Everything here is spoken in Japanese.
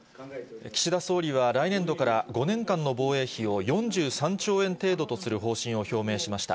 岸田総理は、来年度から、５年間の防衛費を４３兆円程度とする方針を表明しました。